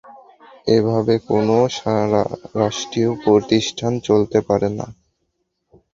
এভাবে কোনো রাষ্ট্রীয় প্রতিষ্ঠান চলতে পারে না।